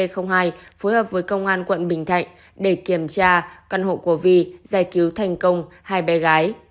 phối hợp với công an quận bình thạnh để kiểm tra căn hộ của vi giải cứu thành công hai bé gái